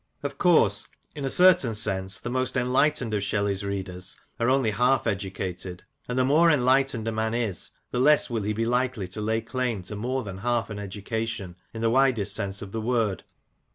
Of course in a certain sense the most enlightened of Shelley's readers are only half educated ; and the more enlightened a man is the less will he be likely to lay claim to more than half an education in the widest sense of the word.